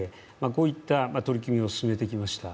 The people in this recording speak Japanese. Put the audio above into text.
こういった取り組みを進めてきました。